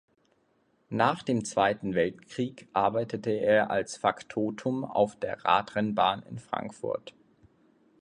Nach dem Zweiten Weltkrieg arbeitete er als „Faktotum“ auf der Radrennbahn in Frankfurt.